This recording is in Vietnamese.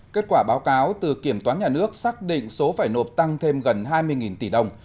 kết quả báo cáo từ kiểm toán nhà nước xác định số phải nộp tăng thêm gần hai mươi tỷ đồng